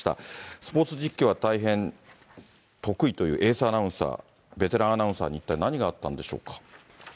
スポーツ実況は大変得意というエースアナウンサー、ベテランアナウンサーに一体何があったんでしょうか。